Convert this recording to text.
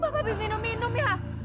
bapak habis minum minum ya